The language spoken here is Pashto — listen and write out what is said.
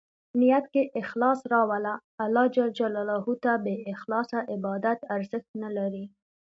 نیت کې اخلاص راوله ، الله ج ته بې اخلاصه عبادت ارزښت نه لري.